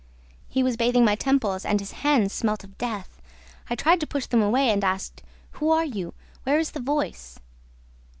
He was bathing my temples and his hands smelt of death. I tried to push them away and asked, 'Who are you? Where is the voice?'